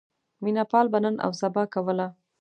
مینه پال به نن اوسبا کوله.